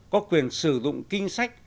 có quyền sử dụng kinh sách